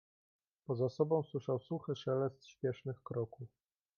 "Poza sobą słyszał suchy szelest spiesznych kroków."